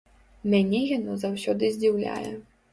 Мяне яно заўсёды здзіўляе.